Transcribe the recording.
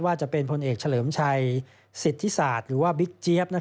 จะเป็นพลเอกเฉลิมชัยสิทธิศาสตร์หรือว่าบิ๊กเจี๊ยบ